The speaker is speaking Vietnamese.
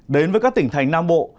đến với các tỉnh thành nam bộ